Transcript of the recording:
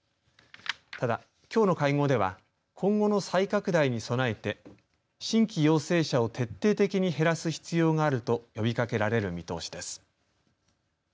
ただ、きょうの会合では今後の再拡大に備えて新規陽性者を徹底的に減らす必要があると呼びかけられる見通しです。